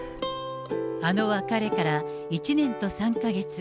あの別れから１年と３か月。